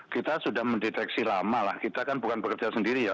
kita sudah mendeteksi lama lah kita kan bukan bekerja sendiri ya